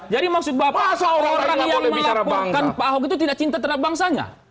jadi maksud bapak orang orang yang melaporkan pak ahok itu tidak cinta terhadap bangsanya